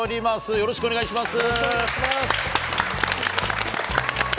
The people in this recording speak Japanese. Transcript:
よろしくお願いします。